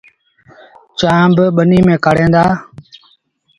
چآنه با ٻنيٚ ميݩ ڪآڙوهيݩ دآ۔